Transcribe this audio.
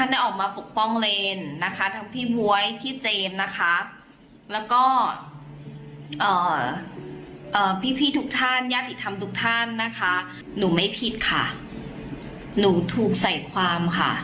เดี๋ยวลองฟังดูค่ะ